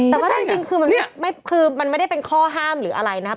แต่ว่าจริงคือมันคือมันไม่ได้เป็นข้อห้ามหรืออะไรนะครับ